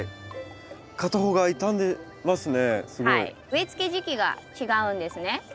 植えつけ時期が違うんですね。